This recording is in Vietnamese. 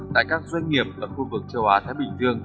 tại các doanh nghiệp ở khu vực châu á thái bình dương